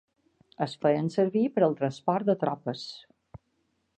Es feien servir per al transport de tropes.